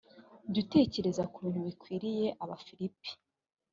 jya utekereza ku bintu bikwiriye abafilipi